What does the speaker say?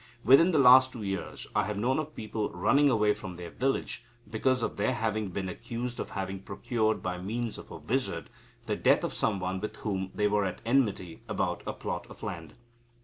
Within the last two years, I have known of people running away from their village because of their having been accused of having procured by means of a wizard the death of some one with whom they were at enmity about a plot of land."